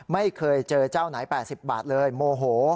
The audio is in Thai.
ไม่เคยเจอเจ้าไหน๘๐บาทเลยโมโห